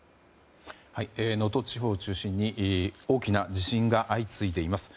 能登地方を中心に大きな地震が相次いでいます。